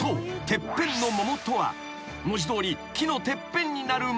てっぺんの桃とは文字通り木のてっぺんになる桃のこと］